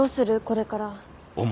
これから。